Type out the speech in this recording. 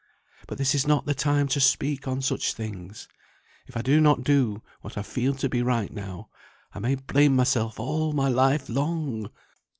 But this is not the time to speak on such things. If I do not do what I feel to be right now, I may blame myself all my life long!